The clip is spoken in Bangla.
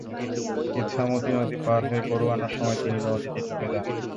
ইছামতী নদী পার হয়ে গরু আনার সময় তিনি নদীতে ডুবে যান।